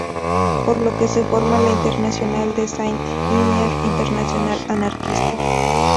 Por lo que se forma la Internacional de Saint-Imier Internacional anarquista.